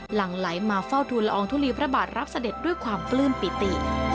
หลังไหลมาเฝ้าทุนละอองทุลีพระบาทรับเสด็จด้วยความปลื้มปิติ